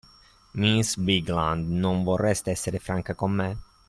Miss Bigland, non vorreste esser franca con me?